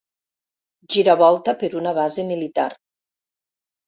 Giravolta per una base militar.